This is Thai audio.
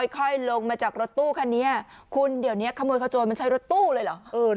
ค่อยลงมาจากรถตู้คันนี้คุณเดี๋ยวนี้ขโมยขโจรมันใช้รถตู้เลยเหรอ